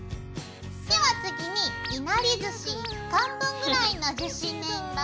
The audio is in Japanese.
では次にいなりずし１貫分ぐらいの樹脂粘土。